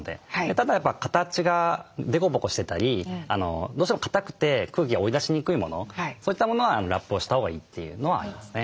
ただ形が凸凹してたりどうしても硬くて空気が追い出しにくいものそういったものはラップをしたほうがいいというのはありますね。